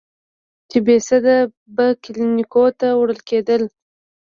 چې بېسده به کلينيکو ته وړل کېدل.